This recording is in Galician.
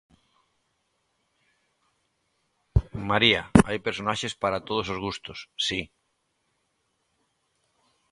María: Hai personaxes para todos os gustos, si.